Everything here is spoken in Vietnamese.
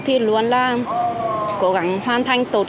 thì luôn là cố gắng hoàn thành tốt